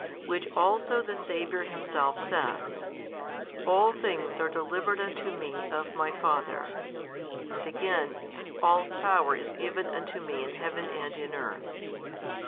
Which also the Saviour Himself says, All things are delivered unto Me of My Father, and again, All power is given unto Me in heaven and in earth.